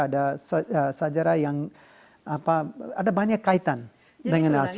ada sejarah yang ada banyak kaitan dengan asia